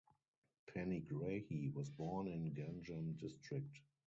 Panigrahi was born in Ganjam District.